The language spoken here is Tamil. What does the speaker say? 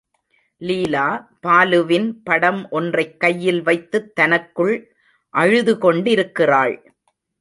லீலா, பாலுவின் படம் ஒன்றைக் கையில் வைத்துத் தனக்குள் அழுதுகொண்டிருக்கிறாள்.